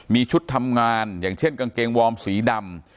มีชุดทำงานอย่างเช่นกางเกงวอร์มสีดำ